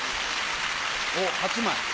おぉ８枚。